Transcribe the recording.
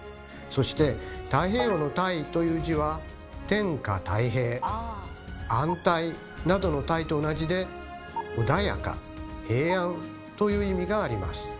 そして太平洋の「太」という字は「天下泰平」「安泰」などの「泰」と同じで「穏やか」「平安」という意味があります。